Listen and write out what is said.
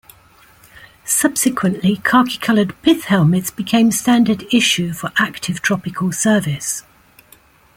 Subsequently khaki-coloured pith helmets became standard issue for active tropical service.